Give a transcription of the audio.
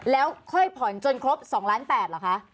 แล้วค่อยผ่อนจนครบ๒ล้าน๘เหรอคะ